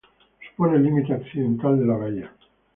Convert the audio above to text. Supone el límite occidental de la bahía.